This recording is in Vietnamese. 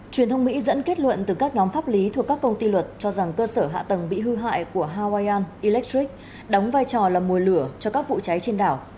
truyền thông mỹ dẫn kết luận từ các nhóm pháp lý thuộc các công ty luật cho rằng cơ sở hạ tầng bị hư hại của hawaiian electric đóng vai trò là mùa lửa cho các vụ cháy trên đảo